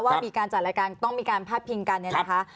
ว่ามีการจัดรายการต้องมีการพาดพิงกันเนี่ยนะคะ